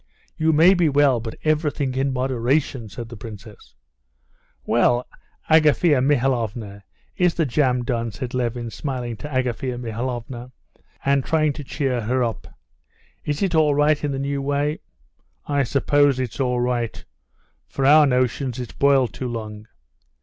"You may be well, but everything in moderation," said the princess. "Well, Agafea Mihalovna, is the jam done?" said Levin, smiling to Agafea Mihalovna, and trying to cheer her up. "Is it all right in the new way?" "I suppose it's all right. For our notions it's boiled too long."